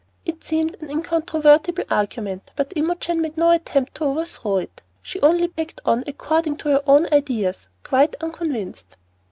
It seemed an incontrovertible argument, but Imogen made no attempt to overthrow it. She only packed on according to her own ideas, quite unconvinced.